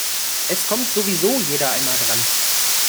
Es kommt sowieso jeder einmal dran.